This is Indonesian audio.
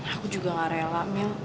aku juga gak rela mil